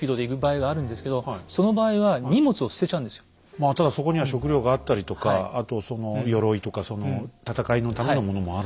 まあただそこには食料があったりとかあとその鎧とか戦いのためのものもある。